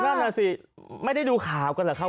นั่นน่ะสิไม่ได้ดูข่าวกันเหรอครับ